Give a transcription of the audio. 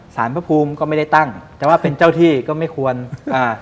สารพระภูมิก็ไม่ได้ตั้งแต่ว่าเป็นเจ้าที่ก็ไม่ควรอ่า